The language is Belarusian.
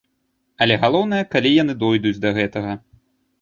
Але галоўнае, калі яны дойдуць да гэтага.